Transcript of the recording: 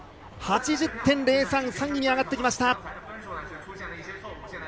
８０．０３、３位に上がってきました。